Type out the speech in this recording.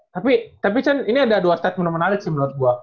tapi tapi ini ada dua stat menarik sih menurut gue